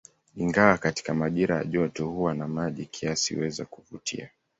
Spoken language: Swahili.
Ingawa katika majira ya joto huwa na maji kiasi, huweza kuvutia.